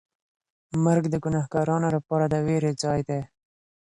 مرګ د ګناهکارانو لپاره د وېرې ځای دی.